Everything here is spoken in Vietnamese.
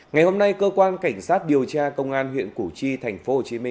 ngày hôm nay cơ quan cảnh sát điều tra công an huyện củ chi tp hcm